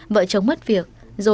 vợ chồng mất việc